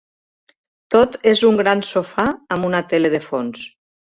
Tot és un gran sofà amb una tele de fons.